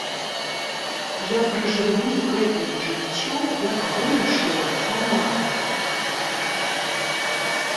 Я пражыву гэтае жыццё, як вырашыла сама.